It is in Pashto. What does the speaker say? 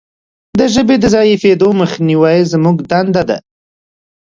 د ژبې د ضعیفیدو مخنیوی زموږ دنده ده.